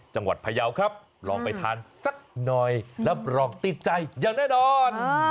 จังหวัดพยาวครับลองไปทานสักหน่อยแล้วปลอดติดใจอย่างแน่นอน